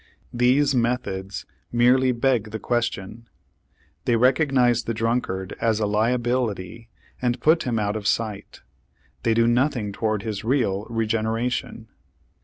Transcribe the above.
These methods merely beg the question. They recognize the drunkard as a liability and put him out of sight; they do nothing toward his real regeneration.